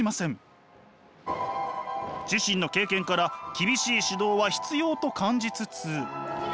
自身の経験から厳しい指導は必要と感じつつ。